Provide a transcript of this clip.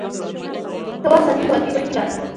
تواب زانگې وانگې مخکې لاړ.